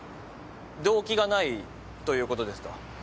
動機がないということですか？